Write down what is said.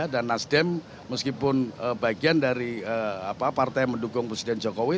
dan nasdem meskipun bagian dari partai yang mendukung presiden jokowi